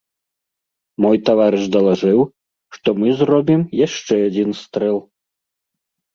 Мой таварыш далажыў, што мы зробім яшчэ адзін стрэл.